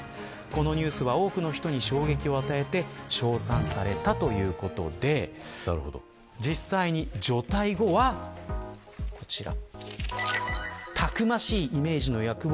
このニュースは多くの人に衝撃を与えて称賛されたということで実際に除隊後はこちら。